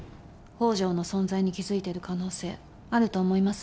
宝条の存在に気づいてる可能性あると思います？